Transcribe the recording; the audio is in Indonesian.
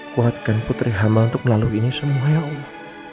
kuatkan putri hama untuk melalui ini semua ya allah